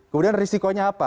kemudian risikonya apa